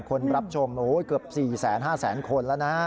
คนรับชมเกือบ๔๕๐๐๐คนแล้วนะ